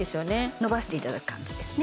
のばしていただく感じですね